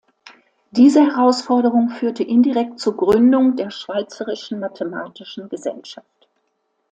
Diese Herausforderung führte indirekt zur Gründung der Schweizerischen Mathematischen Gesellschaft.